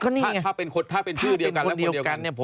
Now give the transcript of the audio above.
อ๋อคนนี้ไงถ้าเป็นชื่อเดียวกันแล้วคนเดียวกันถ้าเป็นคนเดียวกัน